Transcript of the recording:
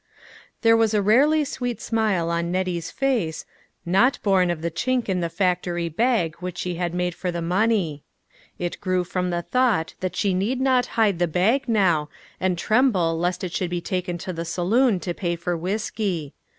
There was a rarely sweet smile on Nettie's face, not born of the chink in the factory bag which she had made for the money ; it grew from the thought that she need not hide the bag now, and tremble lest it should be taken to the saloon to pay for whiskey.